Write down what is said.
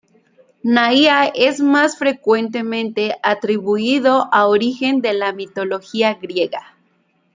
Naia es más frecuentemente atribuido a origen de la mitología griega.